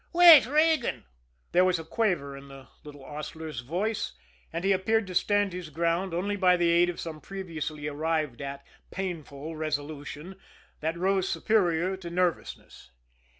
"Wait, Regan." There was a quaver in the little hostler's voice, and he appeared to stand his ground only by the aid of some previously arrived at, painful resolution that rose superior to his nervousness.